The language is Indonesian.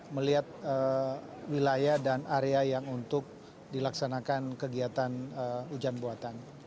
melihat wilayah dan area yang untuk dilaksanakan kegiatan hujan buatan